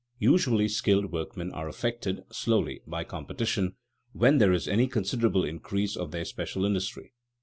Usually skilled workmen are affected slowly by competition when there is any considerable increase of their special industry.